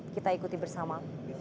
kita ikuti bersama